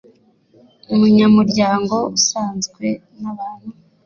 umunyamuryango usanzwe n abantu